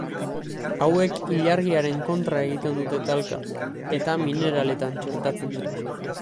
Hauek ilargiaren kontra egiten dute talka eta mineraletan txertatzen dira.